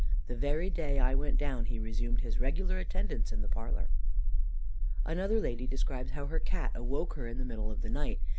The very day I went down, he resumed his regular attendance in the parlour." Another lady describes how her Cat awoke her in the middle of the night.